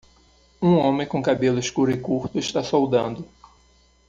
Um homem com cabelo escuro e curto está soldando.